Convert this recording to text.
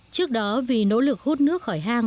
trước đó vì nỗ lực hút nước khỏi hàng